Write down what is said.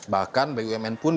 bahkan bumn pun bingung